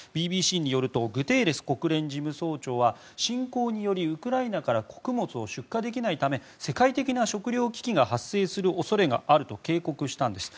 ＢＢＣによるとグテーレス国連事務総長は侵攻によりウクライナから穀物を出荷できないため世界的な食糧危機が発生する恐れがあると警告したんです。